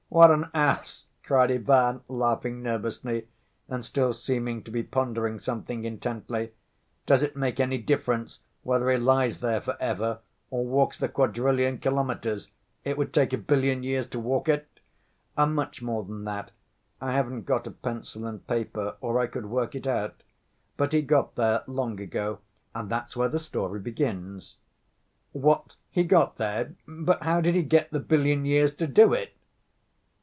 "What an ass!" cried Ivan, laughing nervously and still seeming to be pondering something intently. "Does it make any difference whether he lies there for ever or walks the quadrillion kilometers? It would take a billion years to walk it?" "Much more than that. I haven't got a pencil and paper or I could work it out. But he got there long ago, and that's where the story begins." "What, he got there? But how did he get the billion years to do it?"